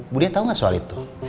budiah tau gak soal itu